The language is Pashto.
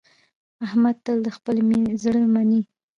احمد تل د خپل زړه مني.